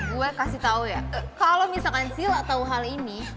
gue kasih tau ya kalau misalkan sila tahu hal ini